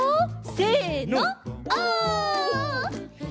せのオ！